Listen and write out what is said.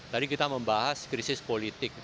tadi kita membahas krisis politik